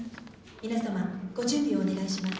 皆様ご準備をお願いします。